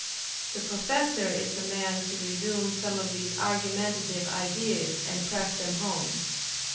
The Professor is the man to resume some of these argumentative ideas and press them home.